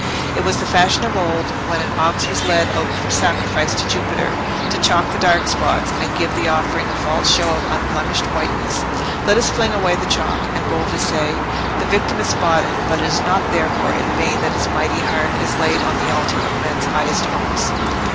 It was the fashion of old, when an ox was led out for sacrifice to Jupiter, to chalk the dark spots, and give the offering a false show of unblemished whiteness. Let us fling away the chalk, and boldly say,—the victim is spotted, but it is not therefore in vain that his mighty heart is laid on the altar of men's highest hopes.